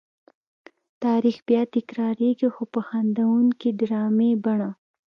تاریخ بیا تکرارېږي خو په خندوونکې ډرامې بڼه.